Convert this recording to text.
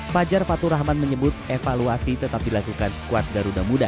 fajar faturahman menyebut evaluasi tetap dilakukan squad garuda muda